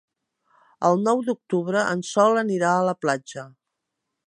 El nou d'octubre en Sol anirà a la platja.